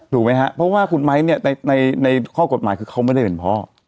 ถูกไหมครับเพราะว่าคุณไม้เนี่ยในข้อกฎหมายคือเขาไม่ได้เป็นพ่อ